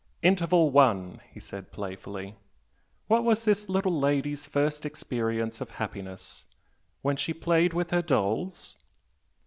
"Interval one!" he said, playfully "What was this little lady's first experience of happiness? When she played with her dolls?"